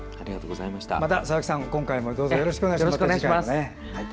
また佐々木さん、次回もどうぞよろしくお願いします。